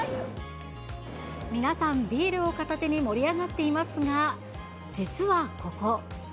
皆さん、ビールを片手に盛り上がっていますが、実はここ。